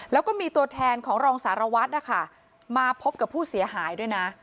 แล้วก็มีตัวแทนของรองสารวัตรนะคะมาพบกับผู้เสียหายด้วยนะ